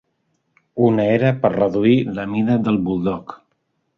Una era per reduir la mida del buldog.